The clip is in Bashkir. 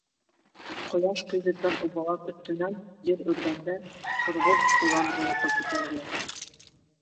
Ҡояш көйҙөргән убалар өҫтөнән ел өргәндә һорғолт туҙан болото күтәрелә.